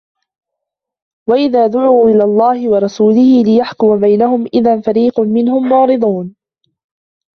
وَإِذَا دُعُوا إِلَى اللَّهِ وَرَسُولِهِ لِيَحْكُمَ بَيْنَهُمْ إِذَا فَرِيقٌ مِنْهُمْ مُعْرِضُونَ